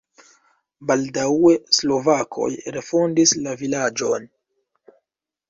Baldaŭe slovakoj refondis la vilaĝon.